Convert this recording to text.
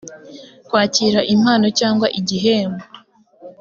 kwakira impano cyangwa igihembo